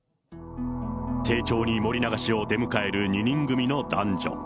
丁重に森永氏を出迎える２人組の男女。